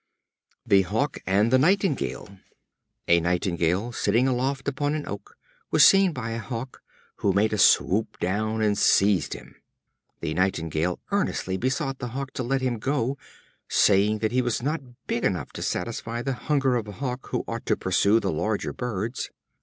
The Hawk and the Nightingale. A Nightingale, sitting aloft upon an oak, was seen by a Hawk, who made a swoop down, and seized him. The Nightingale earnestly besought the Hawk to let him go, saying that he was not big enough to satisfy the hunger of a Hawk, who ought to pursue the larger birds.